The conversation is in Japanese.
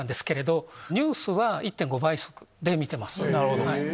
なるほど。